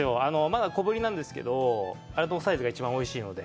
まだ小振りなんですけど、あのサイズが一番おいしいので。